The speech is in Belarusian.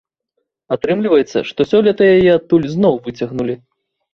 Атрымліваецца, што сёлета яе адтуль зноў выцягнулі.